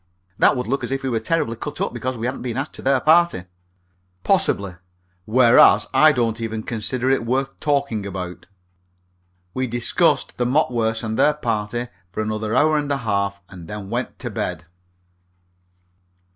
"That would look as if we were terribly cut up because we hadn't been asked to their party." "Possibly. Whereas, I don't even consider it worth talking about." We discussed the Mopworths and their party for another hour and a half, and then went to bed.